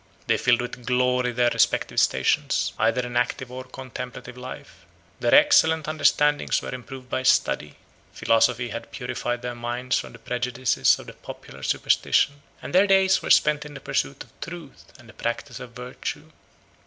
They filled with glory their respective stations, either in active or contemplative life; their excellent understandings were improved by study; Philosophy had purified their minds from the prejudices of the popular superstitions; and their days were spent in the pursuit of truth and the practice of virtue.